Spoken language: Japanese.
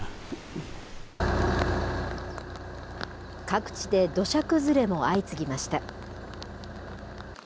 各地で土砂崩れも相次ぎました。